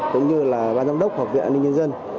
cũng như là ban giám đốc học viện an ninh nhân dân